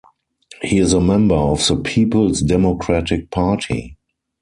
He is a member of the People's Democratic Party.